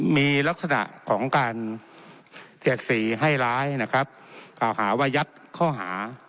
มีลักษณะของการเสียดสีให้ร้ายนะครับกล่าวหาว่ายัดข้อหา